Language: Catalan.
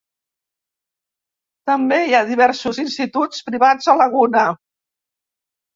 També hi ha diversos instituts privats a Laguna.